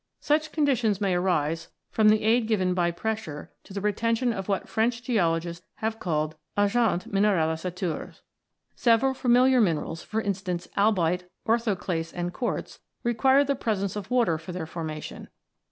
Such conditions may arise from the aid given by pressure to the retention of what French geologists have called agents mintfralisateurs. Several familiar 108 ROCKS AND THEIR ORIGINS [CH. minerals, for instance albite, orthoclase, and quartz, require the presence of water for their formation.